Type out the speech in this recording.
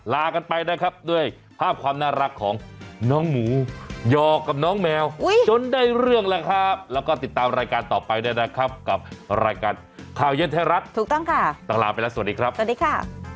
แรกของน้องหมูยอกกับน้องแมวจนได้เรื่องแล้วครับแล้วก็ติดตามรายการต่อไปได้นะครับกับรายการข่าวยนแท้รัฐถูกต้องค่ะต่างไปแล้วสวัสดีครับสวัสดีค่ะ